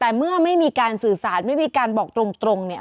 แต่เมื่อไม่มีการสื่อสารไม่มีการบอกตรงเนี่ย